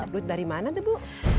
duit dari mana tuh bu